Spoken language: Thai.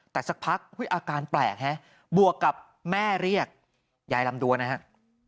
แต่สักพักอาการแปลกฮะบวกกับแม่เรียกยายลำดวนนะฮะ